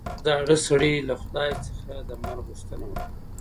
یوه زاړه سړي له خدای څخه د مرګ غوښتنه وکړه.